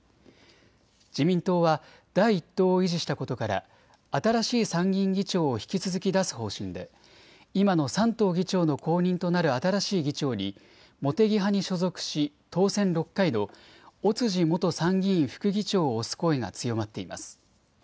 自民党は第１党を維持したことから新しい参議院議長を引き続き出す方針で今の山東議長の後任となる新しい議長に茂木派に所属し当選６回の尾辻元参議院副議長を推す声が強まっています。